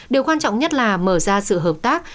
điều quan trọng nhất là mở ra sự hợp tác